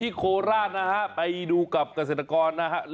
ที่โคศีละค์นะฮะไปดูกับเกษตรกรนะฮะ